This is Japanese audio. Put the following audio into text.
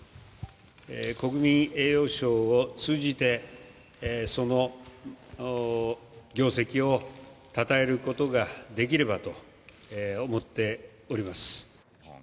国民栄誉賞を通じて、その業績をたたえることができればと思っております。